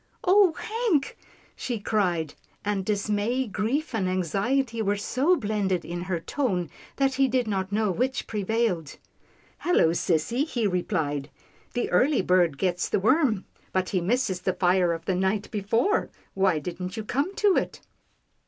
"Oh, Hank!" she cried, and dismay, grief and anxiety were so blended in her tone, that he did not know which prevailed. " Hello, sissy," he replied, " the early bird gets the worm — but he misses the fire of the night before. Why didn't you come to it